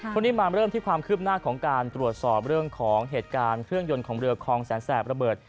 มาเริ่มที่ความคืบหน้าของการตรวจสอบเรื่องของเหตุการณ์เครื่องยนต์ของเรือคลองแสนแสบระเบิด